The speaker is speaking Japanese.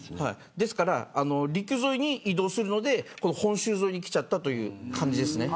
ですから、陸沿いに移動するので本州沿いに来ちゃったという感じですね。